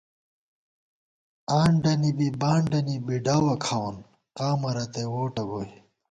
آنڈہ نی بی بانڈَنی بی ڈاوَہ کھاوون قامہ رتئ ووٹہ گوئی